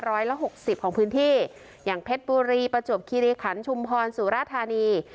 ร้อยละหกสิบของพื้นที่อย่างเพชรบุรีประจวบคิริขันชุมพรสุราธานี